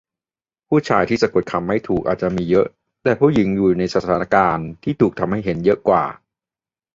ผู้ชายที่สะกดคำไม่ถูกอาจจะมีเยอะ แต่ผู้หญิงอยู่ในสถานการณ์ที่ถูกทำให้เห็นเยอะกว่า ?